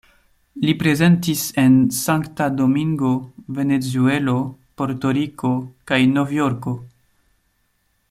Li prezentis en Sankta Domingo, Venezuelo, Porto-Riko kaj Novjorko.